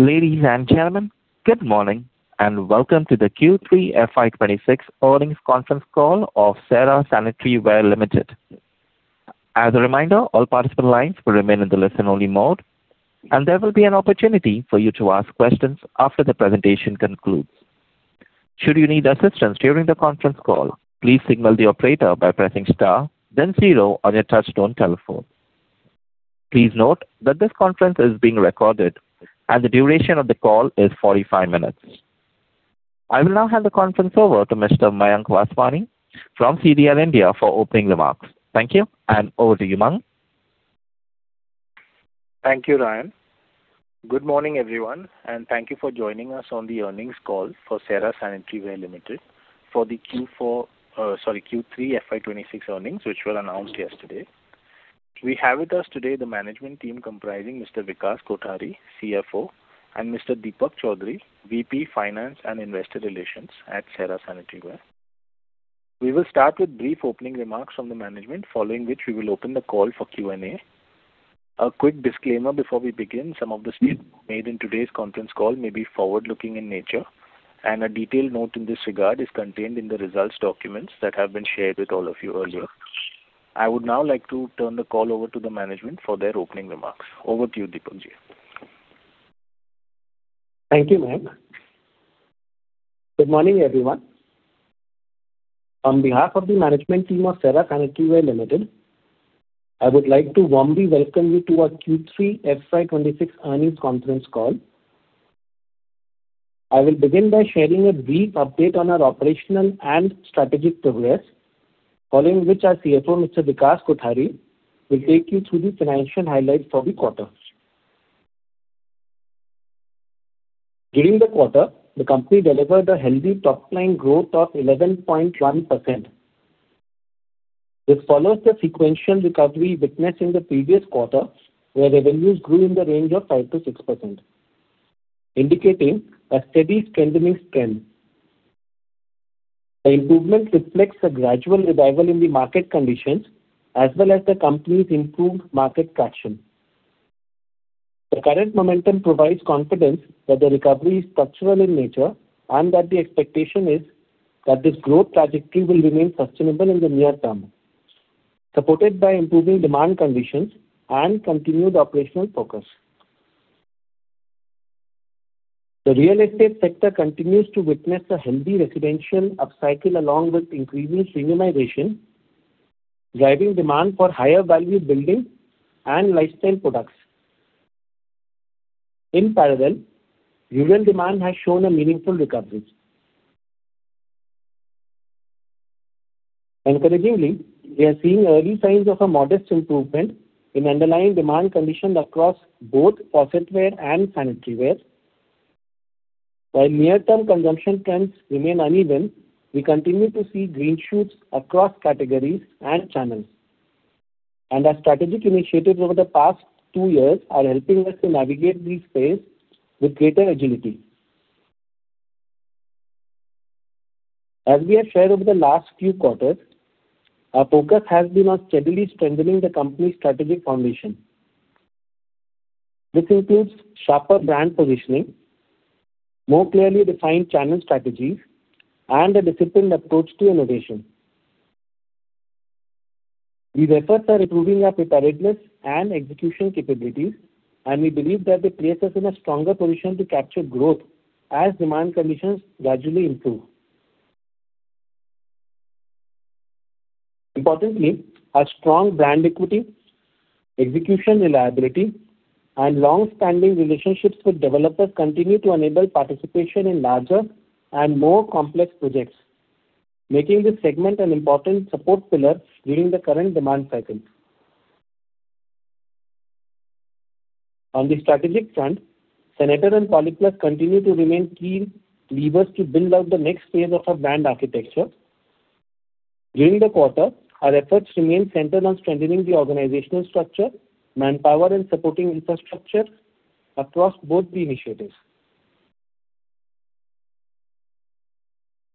Ladies and gentlemen, good morning, and welcome to the Q3 FY26 Earnings Conference Call of Cera Sanitaryware Limited. As a reminder, all participant lines will remain in the listen-only mode, and there will be an opportunity for you to ask questions after the presentation concludes. Should you need assistance during the conference call, please signal the operator by pressing star then zero on your touchtone telephone. Please note that this conference is being recorded, and the duration of the call is 45 minutes. I will now hand the conference over to Mr. Mayank Vaswani from CDR India for opening remarks. Thank you, and over to you, Mayank. Thank you, Ryan. Good morning, everyone, and thank you for joining us on the earnings call for Cera Sanitaryware Limited for the Q4, Q3 FY 26 earnings, which were announced yesterday. We have with us today the management team, comprising Mr. Vikas Kothari, CFO, and Mr. Deepak Chaudhary, VP, Finance and Investor Relations at Cera Sanitaryware. We will start with brief opening remarks from the management, following which we will open the call for Q&A. A quick disclaimer before we begin, some of the statements made in today's conference call may be forward-looking in nature, and a detailed note in this regard is contained in the results documents that have been shared with all of you earlier. I would now like to turn the call over to the management for their opening remarks. Over to you, Deepak Ji. Thank you, Mayank. Good morning, everyone. On behalf of the management team of Cera Sanitaryware Limited, I would like to warmly welcome you to our Q3 FY 2026 earnings conference call. I will begin by sharing a brief update on our operational and strategic progress, following which our CFO, Mr. Vikas Kothari, will take you through the financial highlights for the quarter. During the quarter, the company delivered a healthy top-line growth of 11.1%. This follows the sequential recovery witnessed in the previous quarter, where revenues grew in the range of 5%-6%, indicating a steady strengthening trend. The improvement reflects a gradual revival in the market conditions as well as the company's improved market traction. The current momentum provides confidence that the recovery is structural in nature and that the expectation is that this growth trajectory will remain sustainable in the near term, supported by improving demand conditions and continued operational focus. The real estate sector continues to witness a healthy residential upcycle along with increasing premiumization, driving demand for higher value building and lifestyle products. In parallel, rural demand has shown a meaningful recovery. Encouragingly, we are seeing early signs of a modest improvement in underlying demand conditions across both faucetware and sanitaryware. While near-term consumption trends remain uneven, we continue to see green shoots across categories and channels, and our strategic initiatives over the past two years are helping us to navigate these phases with greater agility. As we have shared over the last few quarters, our focus has been on steadily strengthening the company's strategic foundation. This includes sharper brand positioning, more clearly defined channel strategies, and a disciplined approach to innovation. These efforts are improving our preparedness and execution capabilities, and we believe that they place us in a stronger position to capture growth as demand conditions gradually improve. Importantly, our strong brand equity, execution reliability, and long-standing relationships with developers continue to enable participation in larger and more complex projects, making this segment an important support pillar during the current demand cycle. On the strategic front, Senator and Polyplus continue to remain key levers to build out the next phase of our brand architecture. During the quarter, our efforts remained centered on strengthening the organizational structure, manpower, and supporting infrastructure across both the initiatives.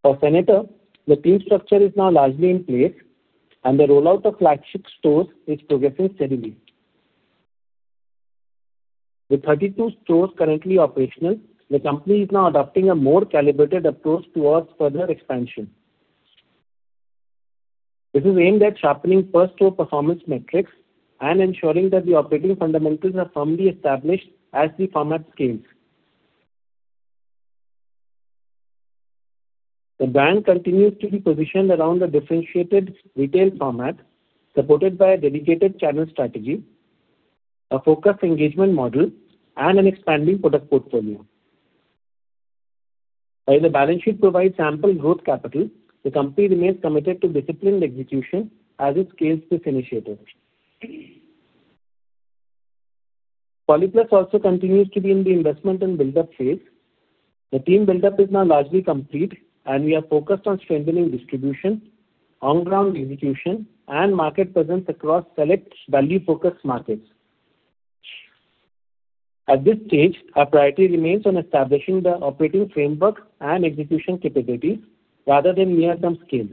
For Senator, the team structure is now largely in place, and the rollout of flagship stores is progressing steadily. With 32 stores currently operational, the company is now adopting a more calibrated approach towards further expansion. This is aimed at sharpening per store performance metrics and ensuring that the operating fundamentals are firmly established as the format scales. The brand continues to be positioned around a differentiated retail format, supported by a dedicated channel strategy, a focused engagement model, and an expanding product portfolio. While the balance sheet provides ample growth capital, the company remains committed to disciplined execution as it scales this initiative. Polyplus also continues to be in the investment and buildup phase. The team buildup is now largely complete, and we are focused on strengthening distribution, on-ground execution, and market presence across select value-focused markets. At this stage, our priority remains on establishing the operating framework and execution capabilities rather than near-term scale.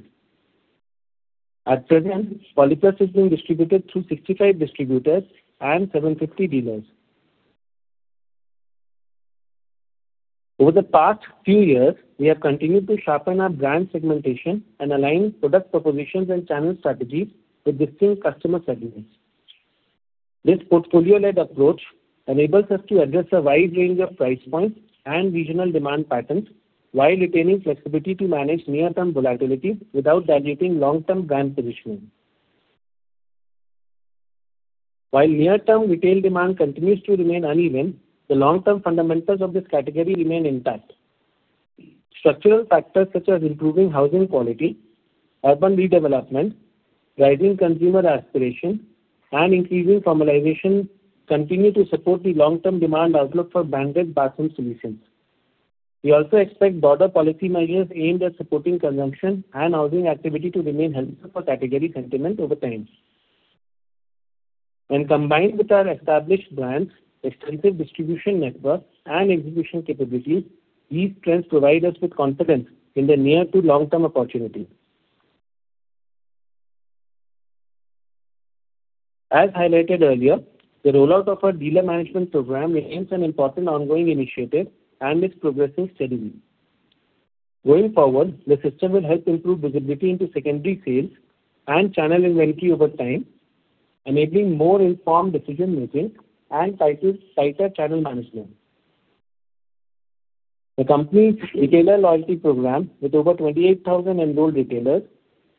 At present, Polyplus is being distributed through 65 distributors and 750 dealers. Over the past few years, we have continued to sharpen our brand segmentation and align product propositions and channel strategies with distinct customer segments. This portfolio-led approach enables us to address a wide range of price points and regional demand patterns, while retaining flexibility to manage near-term volatility without diluting long-term brand positioning. While near-term retail demand continues to remain uneven, the long-term fundamentals of this category remain intact. Structural factors such as improving housing quality, urban redevelopment, rising consumer aspiration, and increasing formalization continue to support the long-term demand outlook for branded bathroom solutions. We also expect broader policy measures aimed at supporting consumption and housing activity to remain helpful for category sentiment over time. When combined with our established brands, extensive distribution network, and execution capabilities, these trends provide us with confidence in the near to long-term opportunities. As highlighted earlier, the rollout of our dealer management program remains an important ongoing initiative and is progressing steadily. Going forward, the system will help improve visibility into secondary sales and channel inventory over time, enabling more informed decision making and tighter channel management. The company's retailer loyalty program, with over 28,000 enrolled retailers,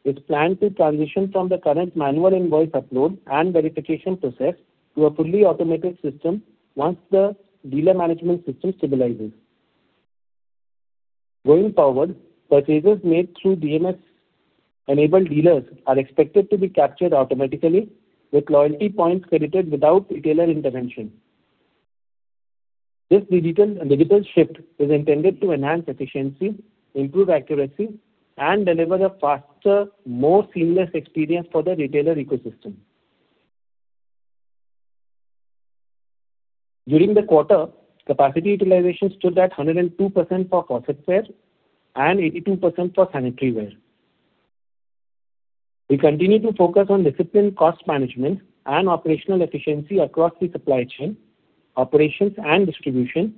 is planned to transition from the current manual invoice upload and verification process to a fully automated system once the dealer management system stabilizes. Going forward, purchases made through DMS-enabled dealers are expected to be captured automatically, with loyalty points credited without retailer intervention. This digital shift is intended to enhance efficiency, improve accuracy, and deliver a faster, more seamless experience for the retailer ecosystem. During the quarter, capacity utilization stood at 102% for faucetware and 82% for sanitaryware. We continue to focus on disciplined cost management and operational efficiency across the supply chain, operations and distribution,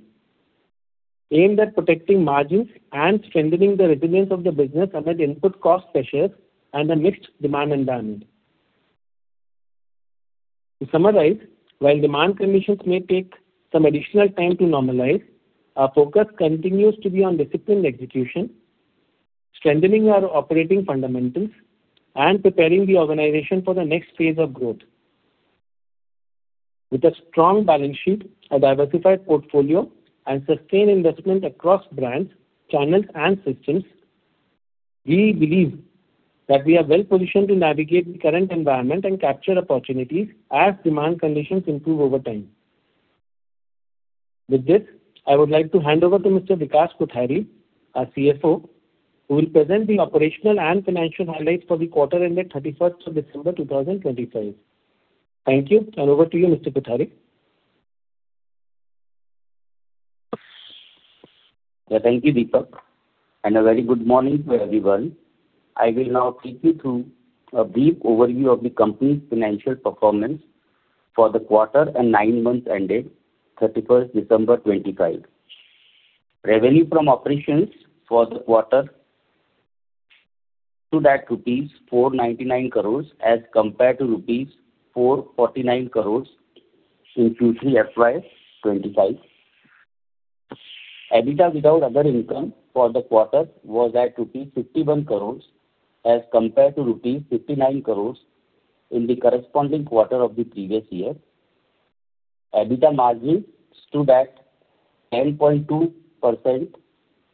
aimed at protecting margins and strengthening the resilience of the business amid input cost pressures and a mixed demand environment. To summarize, while demand conditions may take some additional time to normalize, our focus continues to be on disciplined execution, strengthening our operating fundamentals, and preparing the organization for the next phase of growth. With a strong balance sheet, a diversified portfolio, and sustained investment across brands, channels, and systems, we believe that we are well positioned to navigate the current environment and capture opportunities as demand conditions improve over time. With this, I would like to hand over to Mr. Vikas Kothari, our CFO, who will present the operational and financial highlights for the quarter ended 31st December 2025. Thank you, and over to you, Mr. Kothari. Yeah, thank you, Deepak, and a very good morning to everyone. I will now take you through a brief overview of the company's financial performance for the quarter and nine months ended 31 December 2025. Revenue from operations for the quarter stood at 499 crores rupees, as compared to 449 crores rupees in Q3 FY 2025. EBITDA without other income for the quarter was at rupees 51 crores, as compared to rupees 59 crores in the corresponding quarter of the previous year. EBITDA margin stood at 10.2%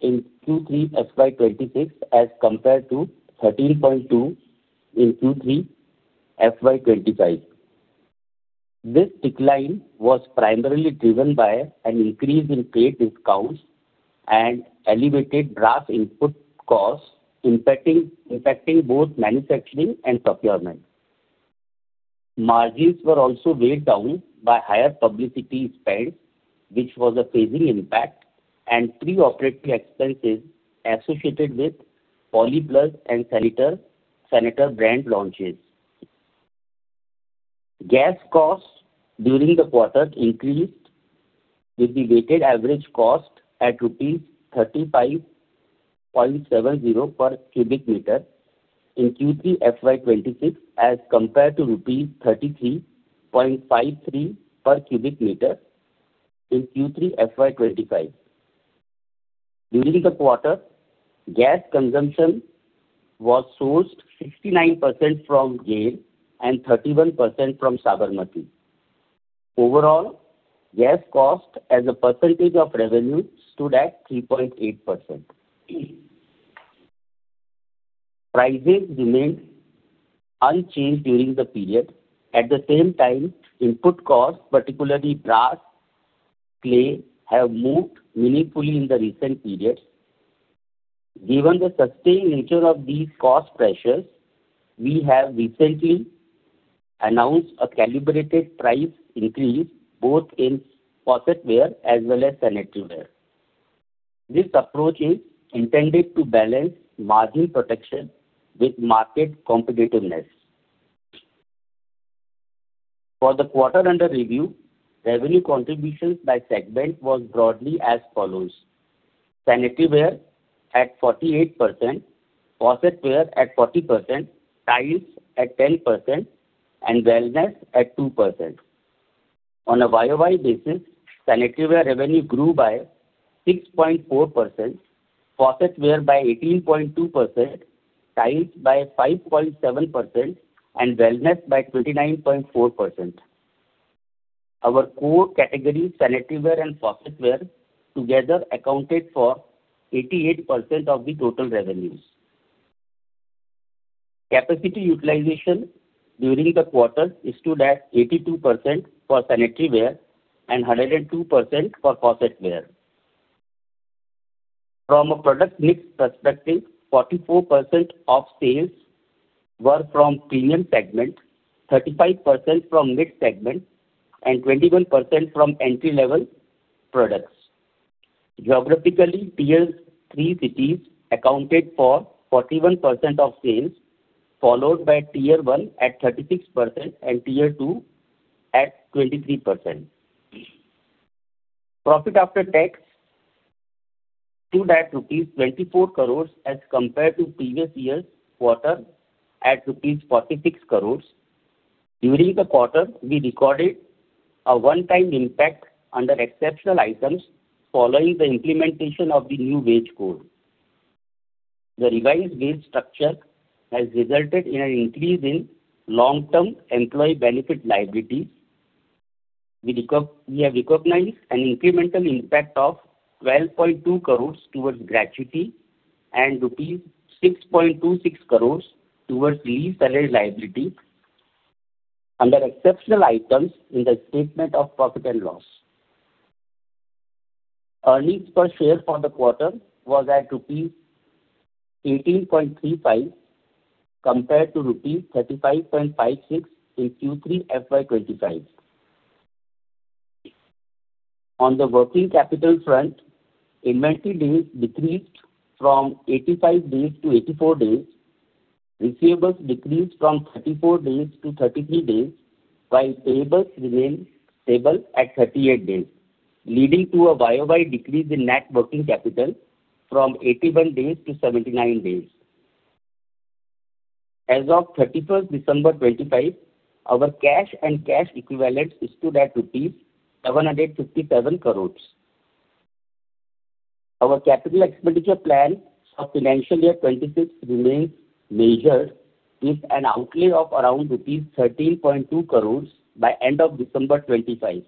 in Q3 FY 2026, as compared to 13.2% in Q3 FY 2025. This decline was primarily driven by an increase in trade discounts and elevated brass input costs, impacting both manufacturing and procurement. Margins were also weighed down by higher publicity spend, which was a phasing impact, and pre-operating expenses associated with Polyplus and Senator, Senator brand launches. Gas costs during the quarter increased, with the weighted average cost at rupees 35.70 per cubic meter in Q3 FY 2026, as compared to rupees 33.53 per cubic meter in Q3 FY 2025. During the quarter, gas consumption was sourced 69% from GAIL and 31% from Sabarmati. Overall, gas cost as a percentage of revenue stood at 3.8%. Prices remained unchanged during the period. At the same time, input costs, particularly brass, clay, have moved meaningfully in the recent period. Given the sustained nature of these cost pressures, we have recently announced a calibrated price increase, both in faucetware as well as sanitaryware. This approach is intended to balance margin protection with market competitiveness. For the quarter under review, revenue contributions by segment was broadly as follows: sanitaryware at 48%, faucetware at 40%, tiles at 10%, and wellness at 2%. On a YOY basis, sanitaryware revenue grew by 6.4%, faucetware by 18.2%, tiles by 5.7%, and wellness by 29.4%. Our core categories, sanitaryware and faucetware, together accounted for 88% of the total revenues. Capacity utilization during the quarter is stood at 82% for sanitaryware and 102% for faucetware. From a product mix perspective, 44% of sales were from premium segment, 35% from mid segment, and 21% from entry-level products. Geographically, Tier 3 cities accounted for 41% of sales, followed by Tier 1 at 36% and Tier 2 at 23%. Profit after tax stood at rupees 24 crores, as compared to previous year's quarter at rupees 46 crores. During the quarter, we recorded a one-time impact under exceptional items following the implementation of the New Wage Code. The revised wage structure has resulted in an increase in long-term employee benefit liabilities. We have recognized an incremental impact of 12.2 crores towards gratuity and rupees 6.26 crores towards leave salary liability under exceptional items in the statement of profit and loss. Earnings per share for the quarter was at rupees 18.35, compared to rupees 35.56 in Q3 FY 2025. On the working capital front, inventory days decreased from 85 days to 84 days, receivables decreased from 34 days to 33 days, while payables remain stable at 38 days, leading to a YOY decrease in net working capital from 81 days to 79 days. As of December 31, 2025, our cash and cash equivalents stood at rupees 757 crores. Our capital expenditure plan for financial year 2026 remains measured, with an outlay of around rupees 13.2 crores by end of December 2025.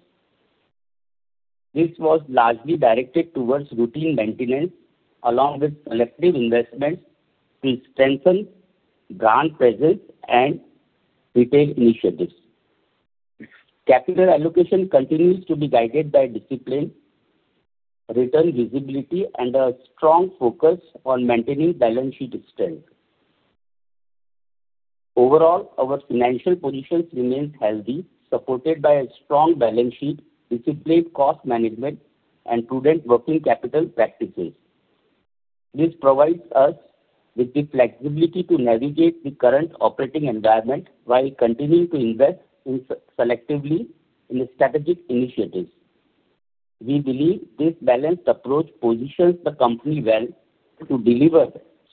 This was largely directed towards routine maintenance, along with selective investments to strengthen brand presence and retail initiatives. Capital allocation continues to be guided by discipline, return visibility, and a strong focus on maintaining balance sheet strength. Overall, our financial position remains healthy, supported by a strong balance sheet, disciplined cost management, and prudent working capital practices. This provides us with the flexibility to navigate the current operating environment while continuing to invest selectively in strategic initiatives. We believe this balanced approach positions the company well to deliver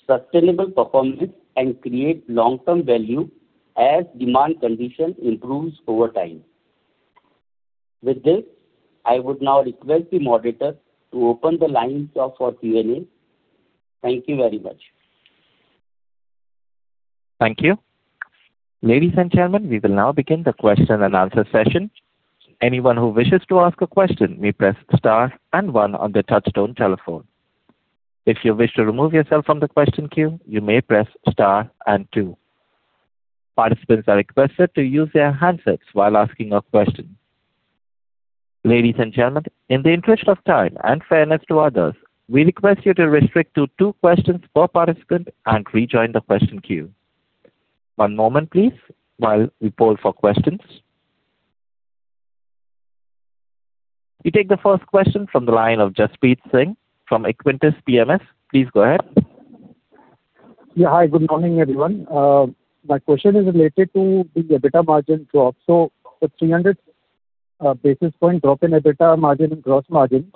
sustainable performance and create long-term value as demand conditions improve over time. With this, I would now request the moderator to open the lines up for Q&A. Thank you very much. Thank you. Ladies and gentlemen, we will now begin the question and answer session. Anyone who wishes to ask a question may press star and one on the touchtone telephone. If you wish to remove yourself from the question queue, you may press star and two. Participants are requested to use their handsets while asking a question. Ladies and gentlemen, in the interest of time and fairness to others, we request you to restrict to two questions per participant and rejoin the question queue. One moment, please, while we poll for questions. We take the first question from the line of Jaspreet Singh from Equirus PMS. Please go ahead. Yeah. Hi, good morning, everyone. My question is related to the EBITDA margin drop. So the 300 basis point drop in EBITDA margin and gross margin,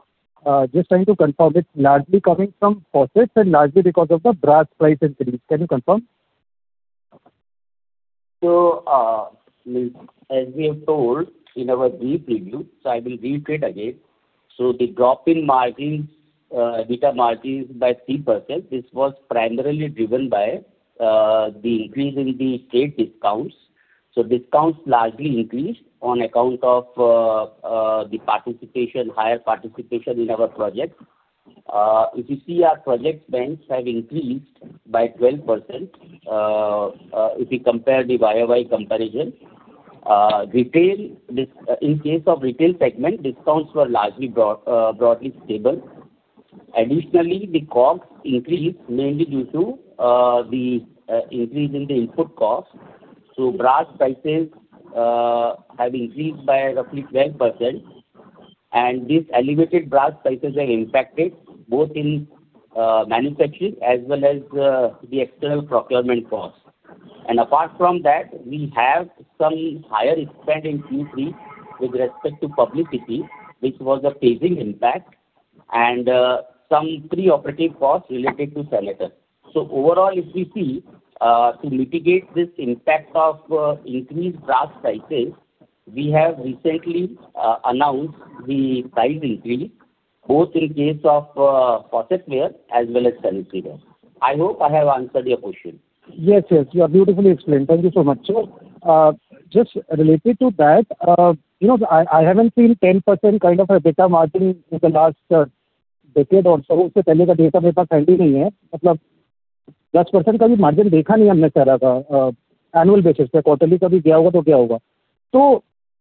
just trying to confirm, it's largely coming from faucets and largely because of the brass price increase. Can you confirm? As we have told in our brief preview, so I will reiterate again. The drop in margins, EBITDA margins by 3%, this was primarily driven by the increase in the steep discounts. Discounts largely increased on account of the higher participation in our projects. If you see our project sales have increased by 12%, if we compare the year-over-year comparison. In case of retail segment, discounts were largely broadly stable. Additionally, the costs increased mainly due to the increase in the input costs. So brass prices have increased by roughly 12%, and these elevated brass prices are impacted both in manufacturing as well as the external procurement costs. And apart from that, we have some higher spend in Q3 with respect to publicity, which was a phasing impact, and some pre-operative costs related to sanitaryware. So overall, if you see, to mitigate this impact of increased brass prices, we have recently announced the price increase, both in case of faucetware as well as sanitaryware. I hope I have answered your question. Yes, yes, you have beautifully explained. Thank you so much. So, just related to that, you know, I, I haven't seen 10% kind of EBITDA margin in the last decade or so. So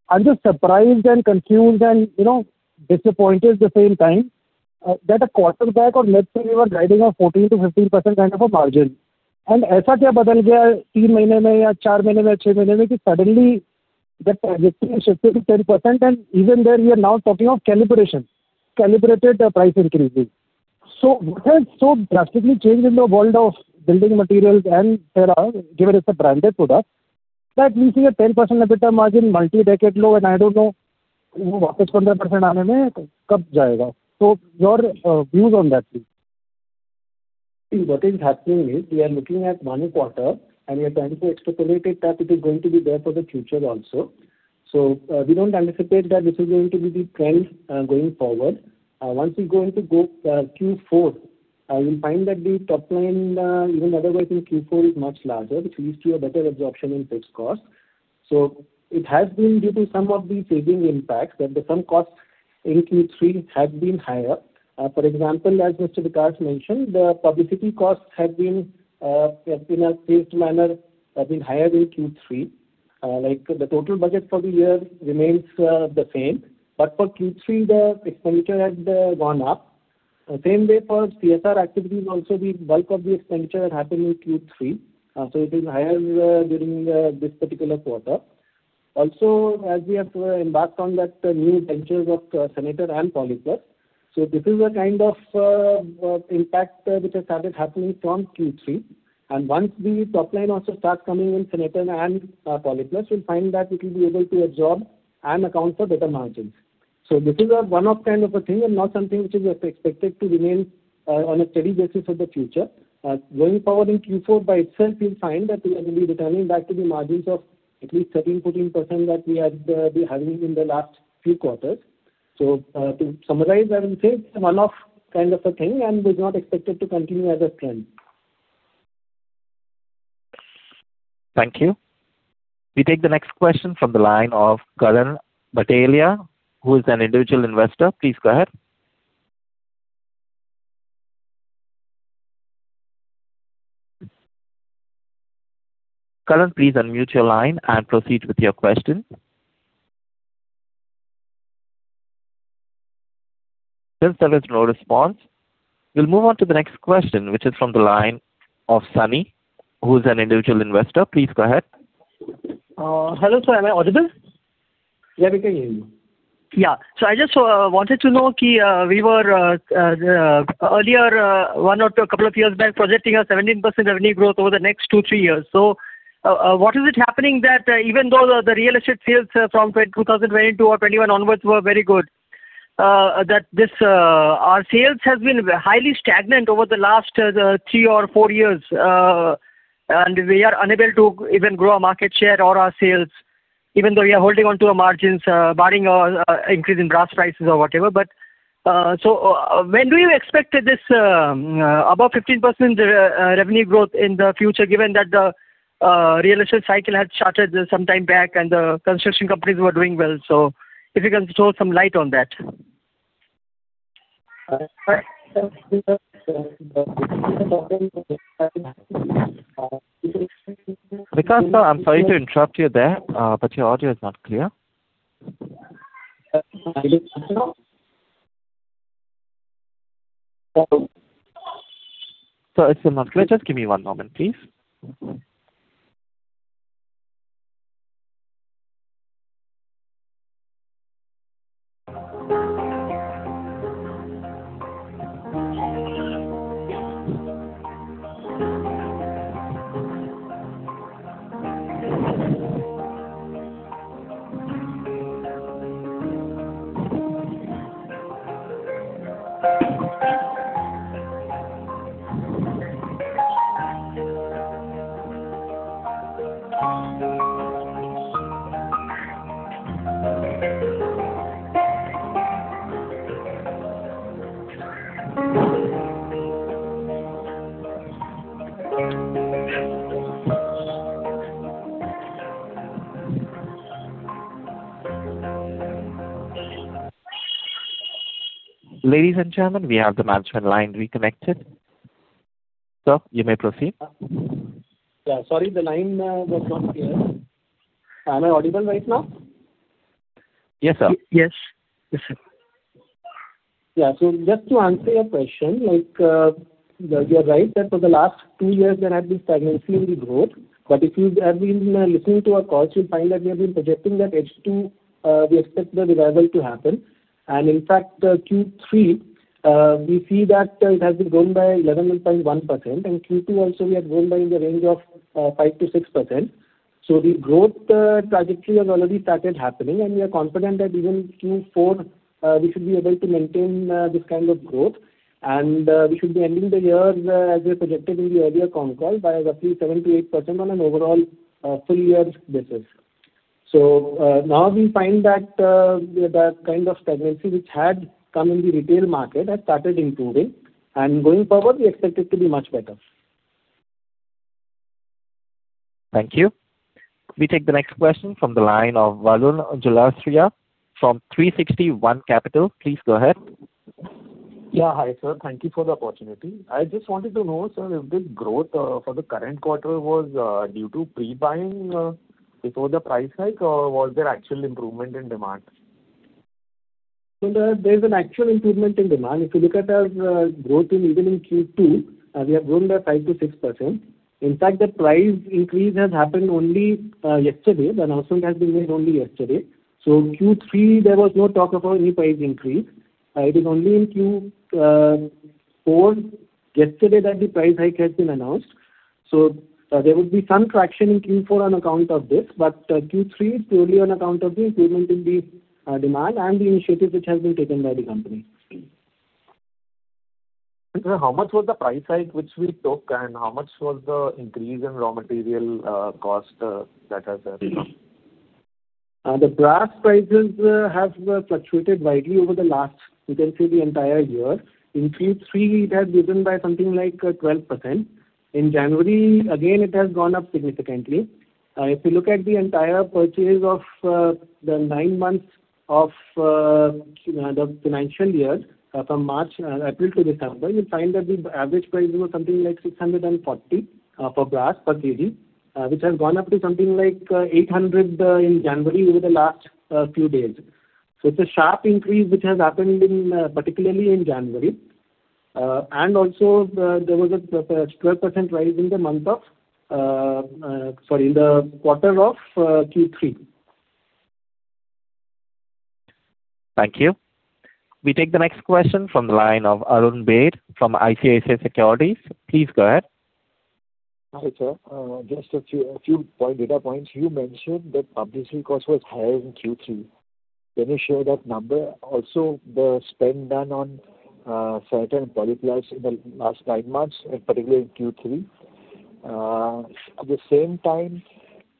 I'm just surprised and confused and, you know, disappointed at the same time, that a quarter back on net sales, we were riding on 14% to 15% kind of a margin. Yeah. Suddenly, the trajectory shifted to 10%, and even there, we are now talking of calibration, calibrated price increases. So what has so drastically changed in the world of building materials and given it's a branded product, that we see a 10% EBITDA margin, multi-decade low, and I don't know. What is happening is we are looking at one quarter, and we are trying to extrapolate that it is going to be there for the future also. So, we don't anticipate that this is going to be the trend going forward. Once we go into Q4, you'll find that the top line, even otherwise in Q4, is much larger, which leads to a better absorption in fixed costs. So it has been due to some of the saving impacts, and some costs in Q3 have been higher. For example, as Mr. Vikas mentioned, the publicity costs have been in a phased manner higher in Q3. Like, the total budget for the year remains the same, but for Q3, the expenditure has gone up. The same way for CSR activities, also, the bulk of the expenditure happened in Q3, so it is higher during this particular quarter. Also, as we have embarked on that new ventures of Senator and Polyplus. So this is a kind of impact which has started happening from Q3. And once the top line also starts coming in sanitaryware and Polyplus, you'll find that it will be able to absorb and account for better margins. So this is a one-off kind of a thing and not something which is expected to remain on a steady basis for the future. Going forward in Q4 by itself, you'll find that we will be returning back to the margins of at least 13% to 14% that we had been having in the last few quarters. So to summarize, I will say it's a one-off kind of a thing, and is not expected to continue as a trend. Thank you. We take the next question from the line of Karan Bhatelia, who is an individual investor. Please go ahead. Karan, please unmute your line and proceed with your question. Still there is no response. We'll move on to the next question, which is from the line of Sunny, who is an individual investor. Please go ahead. Hello, sir. Am I audible? Yeah, we can hear you. Yeah. So I just wanted to know, we were earlier, one or two, couple of years back, projecting a 17% revenue growth over the next two, three years. So, what is happening that even though the real estate sales from 2022 or 2021 onwards were very good, that this, our sales has been highly stagnant over the last three or four years, and we are unable to even grow our market share or our sales, even though we are holding on to our margins, barring our increase in brass prices or whatever. When do you expect this above 15% revenue growth in the future, given that the real estate cycle had started some time back and the construction companies were doing well? So if you can throw some light on that. Vikas, sir, I'm sorry to interrupt you there, but your audio is not clear. Hello, hello? Sir, it's still not clear. Just give me one moment, please. Ladies and gentlemen, we have the management line reconnected. Sir, you may proceed. Yeah, sorry, the line was not clear. Am I audible right now? Yes, sir. Yes. Yes, sir. Yeah, so just to answer your question, like, you are right that for the last two years there have been stagnancy in the growth. But if you have been listening to our calls, you'll find that we have been projecting that H2 we expect the revival to happen. And in fact, Q3 we see that it has been grown by 11.1%, and Q2 also we have grown by in the range of 5% to 6%. So the growth trajectory has already started happening, and we are confident that even Q4 we should be able to maintain this kind of growth. And we should be ending the year as we projected in the earlier con call by roughly 7% to 8% on an overall full year basis. So, now we find that that kind of stagnancy which had come in the retail market has started improving, and going forward, we expect it to be much better. Thank you. We take the next question from the line of Varun Julasaria from 360 ONE Capital. Please go ahead. Yeah, hi, sir. Thank you for the opportunity. I just wanted to know, sir, if this growth for the current quarter was due to pre-buying before the price hike, or was there actual improvement in demand? So there, there is an actual improvement in demand. If you look at our growth in even in Q2, we have grown by 5% to 6%. In fact, the price increase has happened only yesterday. The announcement has been made only yesterday. So in Q3, there was no talk about any price increase. It is only in Q4 yesterday that the price hike has been announced. So there will be some fraction in Q4 on account of this, but Q3, purely on account of the improvement in the demand and the initiatives which has been taken by the company. Sir, how much was the price hike which we took, and how much was the increase in raw material cost that has come? The brass prices have fluctuated widely over the last, you can say the entire year. In Q3, it has risen by something like 12%. In January, again, it has gone up significantly. If you look at the entire purchase of the nine months of the financial year, from March, April to December, you'll find that the average price was something like 640 for brass per kg, which has gone up to something like 800 in January over the last few days. So it's a sharp increase, which has happened in particularly in January. And also, there was a twelve percent rise in the month of, sorry, in the quarter of Q3. Thank you. We take the next question from the line of Arun Baid from ICICI Securities. Please go ahead. Hi, sir. Just a few data points. You mentioned that publicity cost was higher in Q3. Can you share that number? Also, the spend done on sanitaryware and Polyplus in the last nine months, and particularly in Q3. At the same time,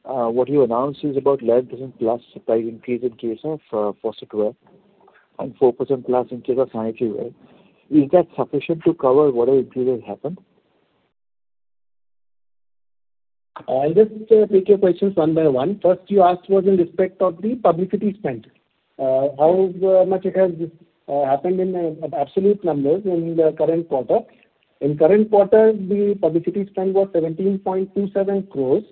what you announced is about 11%+ price increase in case of faucetware and 4%+ in case of sanitaryware. Is that sufficient to cover whatever increase has happened? I'll just take your questions one by one. First, you asked was in respect of the publicity spend, how much it has happened in absolute numbers in the current quarter. In current quarter, the publicity spend was 17.27 crores,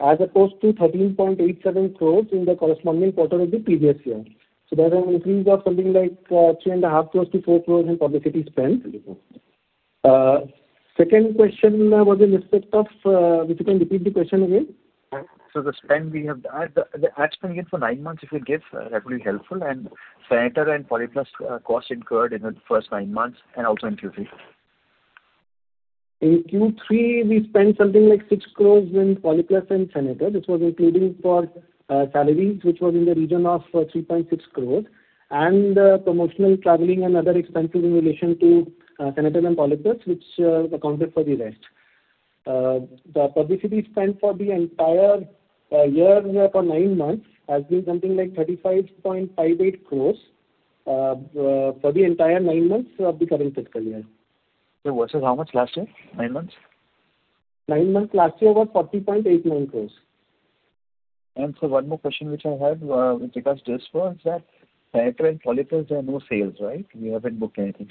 as opposed to 13.87 crores in the corresponding quarter of the previous year. So there's an increase of something like three and a half crores to four crores in publicity spend. Second question was in respect of... If you can repeat the question again? So the spend we have, the ad spend again for nine months, if you give, that will be helpful. And sanitaryware and Polyplus, cost incurred in the first nine months and also in Q3. In Q3, we spent something like 6 crore in Polyplus and Senator, which was including for salaries, which was in the region of three point six crores, and promotional, traveling, and other expenses in relation to Senator and Polyplus, which accounted for the rest. The publicity spend for the entire year, for nine months, has been something like 35.58 crore for the entire nine months of the current fiscal year. Versus how much last year, nine months? Nine months last year was 40.89 crores. So one more question which I had, because this was that sanitaryware and Polyplus, there are no sales, right? We haven't booked anything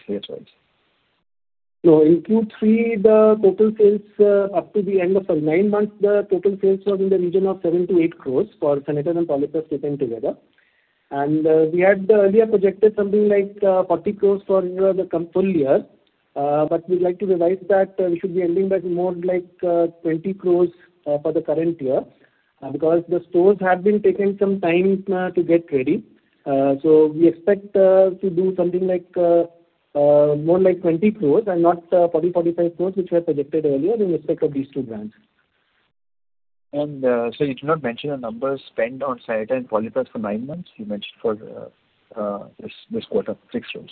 sales-wise. In Q3, the total sales up to the end of the nine months, the total sales was in the region of 7 crore to 8 crore for sanitaryware and Polyplus taken together. We had earlier projected something like 40 crore for the full year. But we'd like to revise that. We should be ending at more like 20 crore for the current year because the stores have been taking some time to get ready. So we expect to do something like more like 20 crore and not 40 to 45 crore, which were projected earlier in respect of these two brands. So you do not mention the numbers spent on sanitaryware and Polyplus for nine months. You mentioned for this quarter, 6 crore.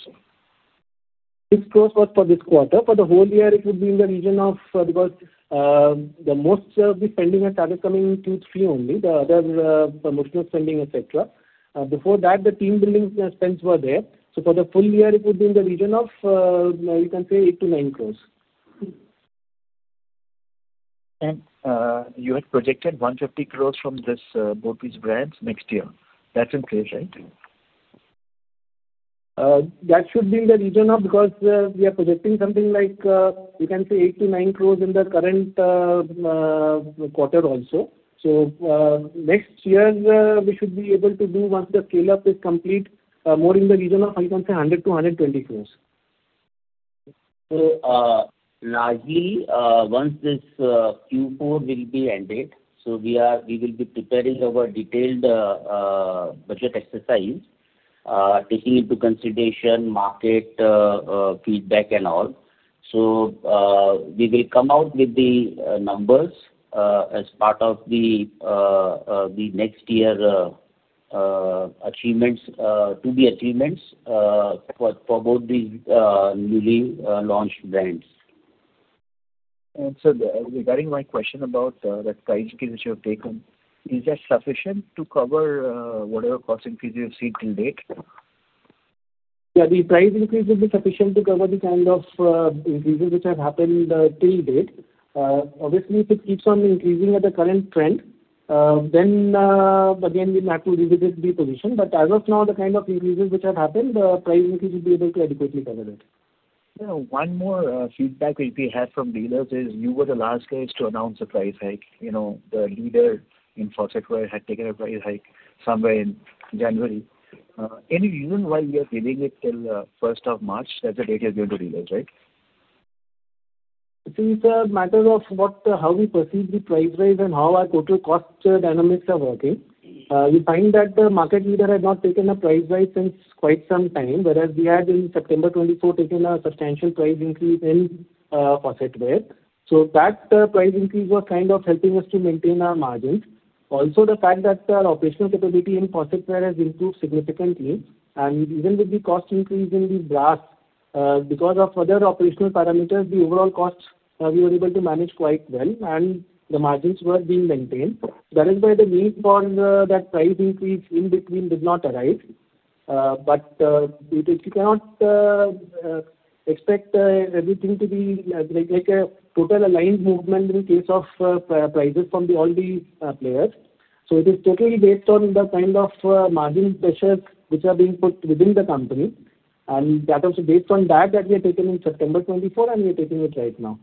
Six crore was for this quarter. For the whole year, it would be in the region of, because, the most of the spending has started coming in Q3 only, the other, promotional spending, et cetera. Before that, the team-building spends were there. So for the full year, it would be in the region of, you can say 8 crore to 9 crore. You had projected 150 crore from this, both these brands next year. That's increased, right? That should be in the region of. Because, we are projecting something like, you can say 8-9 crore in the current quarter also. So, next year, we should be able to do, once the scale-up is complete, more in the region of, I can say, 100-120 crore. So, largely, once this Q4 will be ended, so we will be preparing our detailed budget exercise, taking into consideration market feedback and all. So, we will come out with the numbers, as part of the next year achievements to the achievements for both the newly launched brands. Regarding my question about the price increase which you have taken, is that sufficient to cover whatever cost increases you've seen till date? Yeah, the price increase will be sufficient to cover the kind of increases which have happened till date. Obviously, if it keeps on increasing at the current trend, then again, we might have to revisit the position. But as of now, the kind of increases which have happened, the price increase will be able to adequately cover it. Yeah, one more feedback which we had from dealers is you were the last guys to announce the price hike. You know, the leader in faucetware had taken a price hike somewhere in January. Any reason why we are delaying it till first of March? That's the date you're going to release, right? It is a matter of what, how we perceive the price rise and how our total cost dynamics are working. You find that the market leader has not taken a price rise since quite some time, whereas we had in September 2024 taken a substantial price increase in faucetware. So that price increase was kind of helping us to maintain our margins. Also, the fact that our operational capability in faucetware has improved significantly, and even with the cost increase in the brass, because of other operational parameters, the overall costs, we were able to manage quite well, and the margins were being maintained. Whereas, the need for that price increase in between did not arise. But you cannot expect everything to be like a total aligned movement in case of prices from all the players. So it is totally based on the kind of margin pressures which are being put within the company, and that was based on that, that we had taken in September 2024, and we are taking it right now.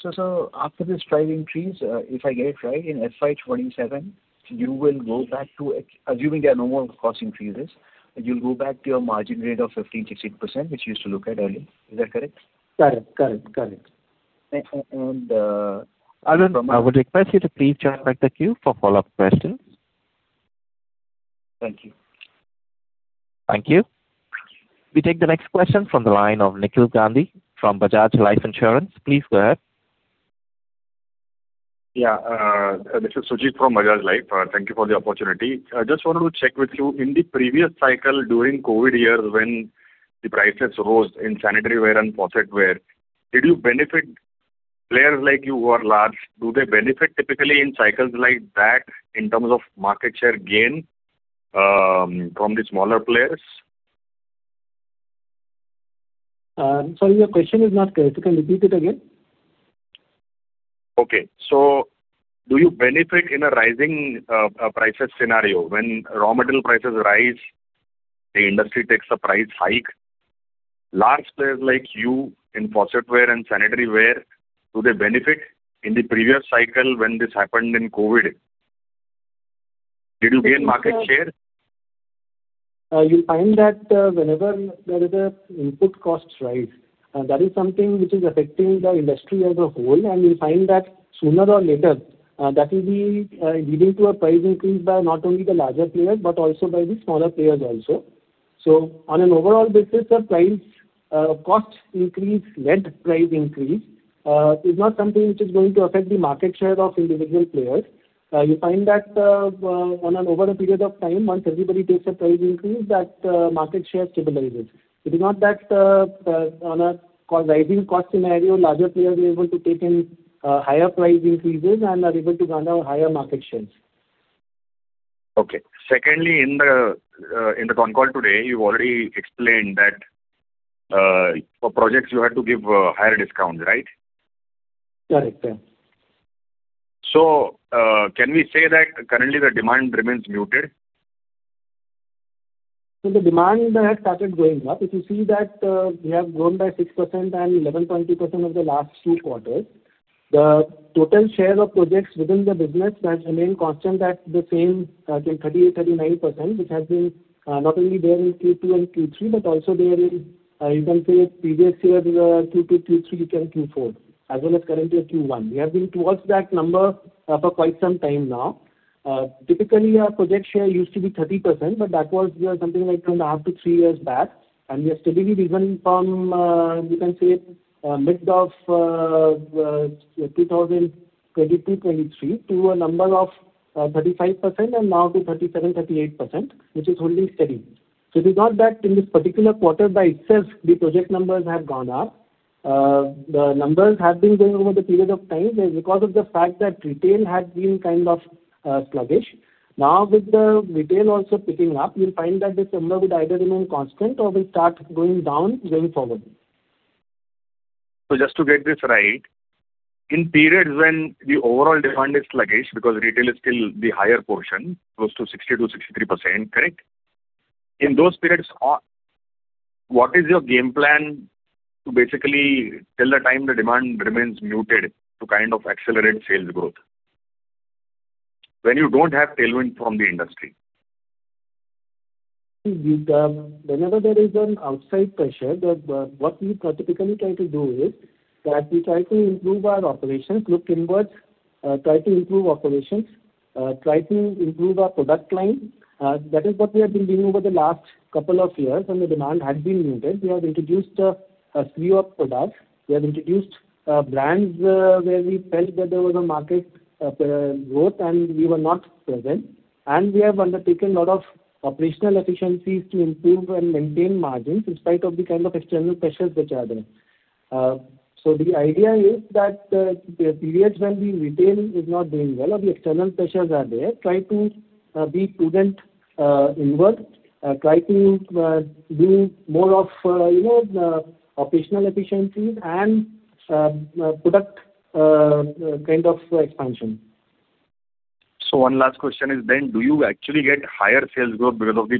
So, after this price increase, if I get it right, in FY 27, you will go back to, assuming there are no more cost increases, you'll go back to your margin rate of 15%-16%, which you used to look at earlier. Is that correct? Correct, correct, correct. And Arun, I would request you to please join back the queue for follow-up questions. Thank you. Thank you. We take the next question from the line of Nikhil Gandhi from Bajaj Life Insurance. Please go ahead. Yeah, this is Sujit from Bajaj Life. Thank you for the opportunity. I just wanted to check with you, in the previous cycle during COVID year, when the prices rose in sanitaryware and faucetware, did you benefit players like you who are large? Do they benefit typically in cycles like that, in terms of market share gain, from the smaller players? I'm sorry, your question is not clear. If you can repeat it again. Okay. So do you benefit in a rising prices scenario? When raw material prices rise, the industry takes a price hike. Large players like you in faucetware and sanitaryware, do they benefit in the previous cycle when this happened in COVID? Did you gain market share? You'll find that, whenever there is a input costs rise, that is something which is affecting the industry as a whole. And you'll find that sooner or later, that will be, leading to a price increase by not only the larger players, but also by the smaller players also. So on an overall basis, the price, cost increase, led price increase, is not something which is going to affect the market share of individual players. You find that, on an over a period of time, once everybody takes a price increase, that, market share stabilizes. It is not that, on a cost, rising cost scenario, larger players will be able to take in, higher price increases and are able to garner higher market shares. Okay. Secondly, in the con call today, you already explained that for projects you had to give higher discount, right? Correct. Can we say that currently the demand remains muted? So the demand has started going up. If you see that, we have grown by 6% and 11.2% of the last two quarters, the total share of projects within the business has remained constant at the same, 38%-39%, which has been, not only there in Q2 and Q3, but also there in, you can say previous year, Q2, Q3, and Q4, as well as currently in Q1. We have been towards that number, for quite some time now. Typically, our project share used to be 30%, but that was, something like from half to three years back, and we are steadily risen from, you can say, mid of, 2022-2023 to a number of, 35% and now to 37%-38%, which is holding steady. It is not that in this particular quarter by itself, the project numbers have gone up. The numbers have been going over the period of time, and because of the fact that retail had been kind of, sluggish. Now, with the retail also picking up, you'll find that this number would either remain constant or will start going down going forward. So just to get this right, in periods when the overall demand is sluggish because retail is still the higher portion, close to 60%-63%, correct? In those periods, what is your game plan to basically, till the time the demand remains muted, to kind of accelerate sales growth?... when you don't have tailwind from the industry? With whenever there is an outside pressure, the what we typically try to do is, that we try to improve our operations, look inwards, try to improve operations, try to improve our product line. That is what we have been doing over the last couple of years, and the demand has been muted. We have introduced a few products. We have introduced brands where we felt that there was a market growth, and we were not present. We have undertaken a lot of operational efficiencies to improve and maintain margins, in spite of the kind of external pressures which are there. So the idea is that, the periods when the retail is not doing well, or the external pressures are there, try to be prudent, inward, try to do more of, you know, operational efficiencies and, product kind of expansion. One last question is then, do you actually get higher sales growth because of the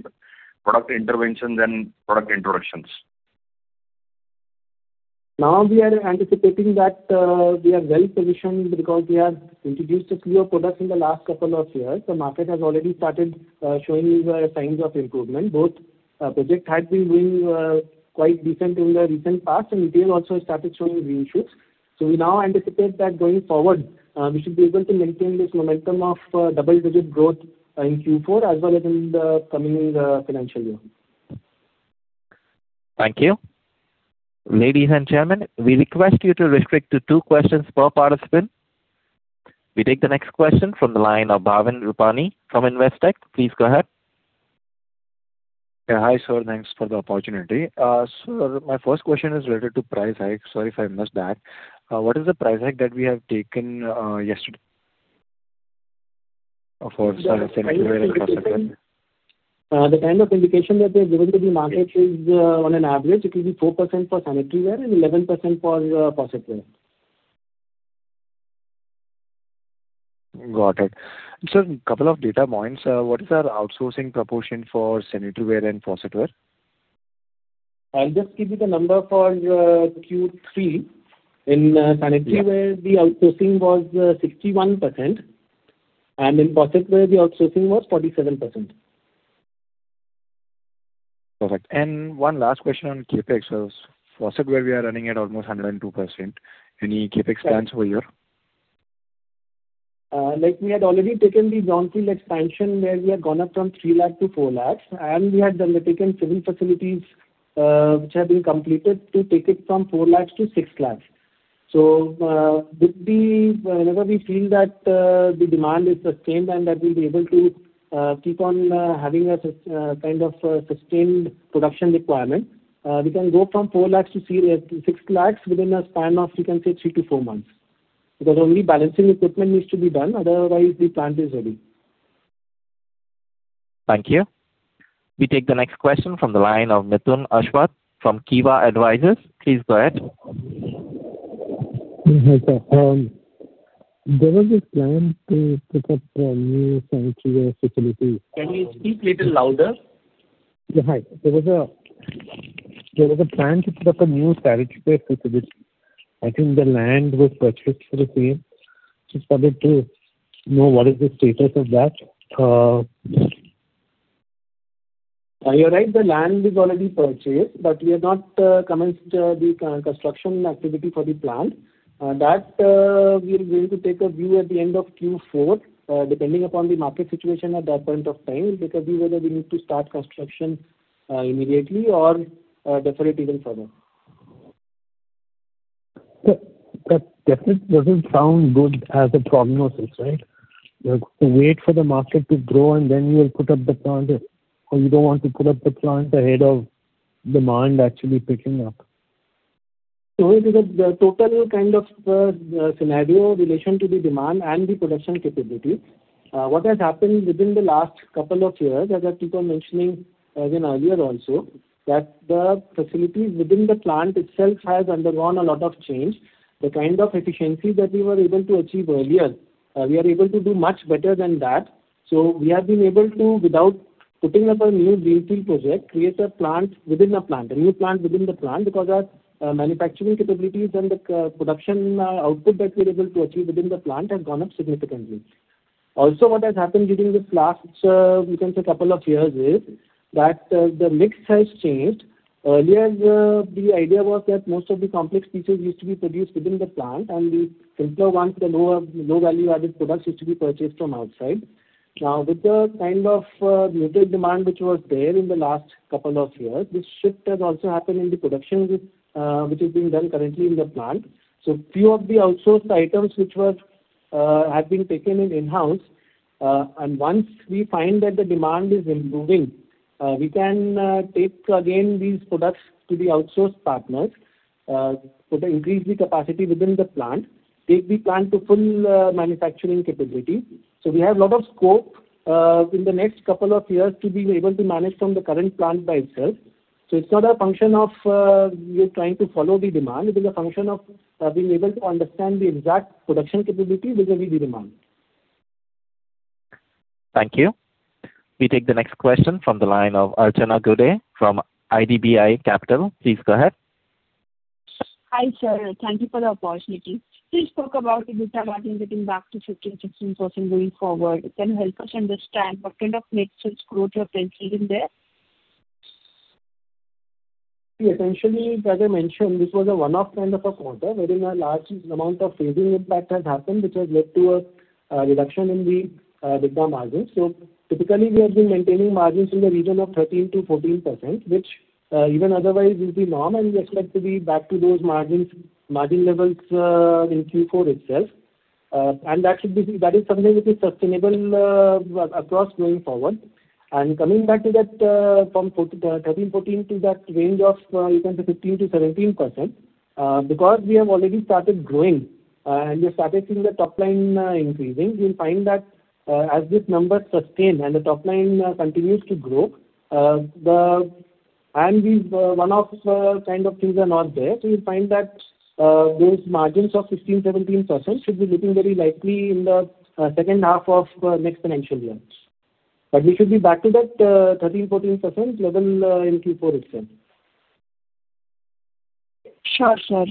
product interventions than product introductions? Now we are anticipating that, we are well positioned because we have introduced a few products in the last couple of years. The market has already started, showing the signs of improvement. Both, project had been doing, quite decent in the recent past, and retail also started showing green shoots. So we now anticipate that going forward, we should be able to maintain this momentum of, double-digit growth in Q4, as well as in the coming, financial year. Thank you. Ladies and gentlemen, we request you to restrict to two questions per participant. We take the next question from the line of Bhavin Rupani from Investec. Please go ahead. Yeah, hi, sir, thanks for the opportunity. My first question is related to price hike. Sorry if I missed that. What is the price hike that we have taken yesterday for sanitary and faucetware? The kind of indication that we have given to the market is, on an average, it will be 4% for sanitaryware and 11% for faucetware. Got it. So couple of data points. What is our outsourcing proportion for sanitaryware and faucetware? I'll just give you the number for Q3. In sanitaryware the outsourcing was 61%, and in faucetware, the outsourcing was 47%. Perfect. One last question on CapEx. Faucetware, we are running at almost 102%. Any CapEx plans over here? Like we had already taken the brownfield expansion, where we have gone up from 3 lakh to 4 lakhs, and we had undertaken civil facilities, which have been completed, to take it from 4 lakhs to 6 lakhs. So, with the. Whenever we feel that the demand is sustained and that we'll be able to keep on having a kind of sustained production requirement, we can go from 4 lakhs to 6 lakhs within a span of, you can say, three to four months. Because only balancing equipment needs to be done, otherwise the plant is ready. Thank you. We take the next question from the line of Mithun Aswath from Kivah Advisors. Please go ahead. There was a plan to pick up a new sanitaryware facility. Can you speak little louder? Yeah, hi. There was a plan to put up a new sanitaryware facility. I think the land was purchased for the same. Just wanted to know what is the status of that? You're right, the land is already purchased, but we have not commenced the construction activity for the plant. We'll be able to take a view at the end of Q4, depending upon the market situation at that point of time, because whether we need to start construction immediately or defer it even further. But that doesn't sound good as a prognosis, right? You have to wait for the market to grow, and then you will put up the plant, or you don't want to put up the plant ahead of demand actually picking up. So it is a total kind of scenario in relation to the demand and the production capability. What has happened within the last couple of years, as I keep on mentioning, as in earlier also, that the facility within the plant itself has undergone a lot of change. The kind of efficiency that we were able to achieve earlier, we are able to do much better than that. So we have been able to, without putting up a new greenfield project, create a plant within a plant, a new plant within the plant, because our manufacturing capabilities and the co-production output that we're able to achieve within the plant have gone up significantly. Also, what has happened during this last, we can say couple of years is, that the mix has changed. Earlier, the idea was that most of the complex pieces used to be produced within the plant, and the simpler ones, the lower, low value-added products, used to be purchased from outside. Now, with the kind of muted demand which was there in the last couple of years, this shift has also happened in the production which is being done currently in the plant. So few of the outsourced items which have been taken in-house, and once we find that the demand is improving, we can take again these products to the outsourced partners, so to increase the capacity within the plant, take the plant to full manufacturing capability. So we have a lot of scope in the next couple of years to be able to manage from the current plant by itself. It's not a function of we're trying to follow the demand. It is a function of being able to understand the exact production capability within the demand. Thank you. We take the next question from the line of Archana Gude from IDBI Capital. Please go ahead. Hi, sir. Thank you for the opportunity. Please talk about EBITDA margin getting back to 15%-16% going forward. Can you help us understand what kind of mix is growth you are seeing there? Yeah, essentially, as I mentioned, this was a one-off kind of a quarter, wherein a large amount of phasing impact has happened, which has led to a reduction in the EBITDA margin. So typically, we have been maintaining margins in the region of 13% to 14%, which even otherwise will be normal. We expect to be back to those margins, margin levels, in Q4 itself. And that should be. That is something which is sustainable across going forward. And coming back to that, from 14, 13, 14 to that range of, you can say 15% to 17%, because we have already started growing, and we have started seeing the top line increasing, we find that, as these numbers sustain and the top line continues to grow, the. These one-off kind of things are not there. You find that those margins of 15%-17% should be looking very likely in the second half of next financial year. We should be back to that 13%-14% level in Q4 itself. Sure, sir.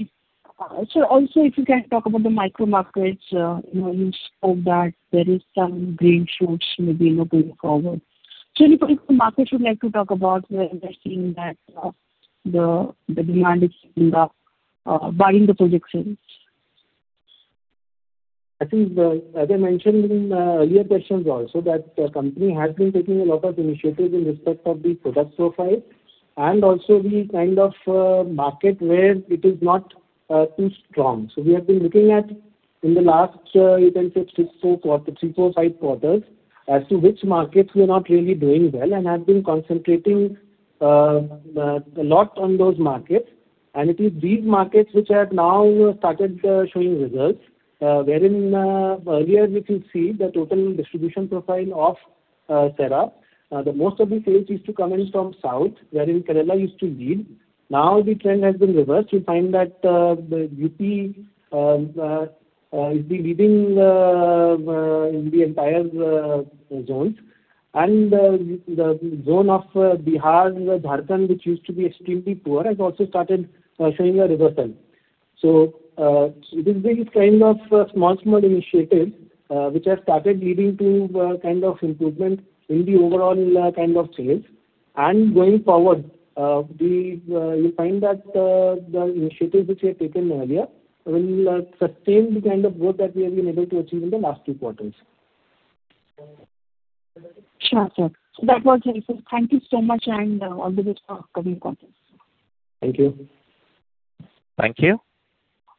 So also, if you can talk about the micro markets, you know, you spoke that there is some green shoots maybe able to recover. So anybody from the market would like to talk about where they're seeing that, the demand is in the buying the projections. I think, as I mentioned in earlier questions also, that the company has been taking a lot of initiatives in respect of the product profile, and also the kind of market where it is not too strong. So we have been looking at, in the last, you can say, 3, 4, 5 quarters, as to which markets we are not really doing well, and have been concentrating a lot on those markets. And it is these markets which have now started showing results, wherein earlier we could see the total distribution profile of CERA. The most of the sales used to come in from south, wherein Kerala used to lead. Now the trend has been reversed. You find that the UP is the leading in the entire zones. The zone of Bihar and Jharkhand, which used to be extremely poor, has also started showing a reversal. This is kind of a small, small initiative which has started leading to kind of improvement in the overall kind of sales. Going forward, you find that the initiatives which we have taken earlier will sustain the kind of growth that we have been able to achieve in the last two quarters. Sure, sir. That was helpful. Thank you so much, and all the best for upcoming quarters. Thank you. Thank you.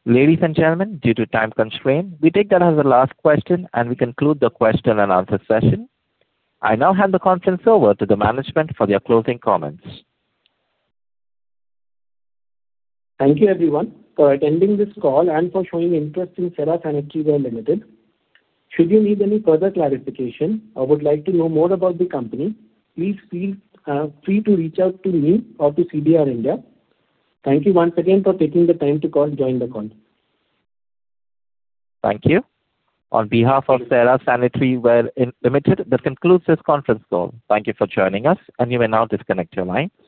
Ladies and gentlemen, due to time constraint, we take that as the last question, and we conclude the question and answer session. I now hand the conference over to the management for their closing comments. Thank you everyone for attending this call and for showing interest in Cera Sanitaryware Limited. Should you need any further clarification or would like to know more about the company, please feel free to reach out to me or to CDR India. Thank you once again for taking the time to call and join the conference. Thank you. On behalf of Cera Sanitaryware Limited, this concludes this conference call. Thank you for joining us, and you may now disconnect your line.